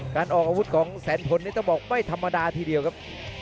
การออกอาวุธของแสนผลนี่ต้องบอกไม่ธรรมดาทีเดียวครับ